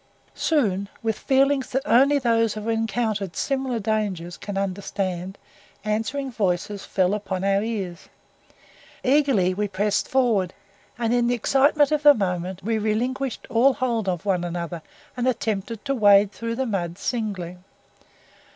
Soon with feelings that only those who have encountered similar dangers can understand answering voices fell upon our ears. Eagerly we pressed forward, and in the excitement of the moment we relinquished all hold of one another, and attempted to wade through the mud singly.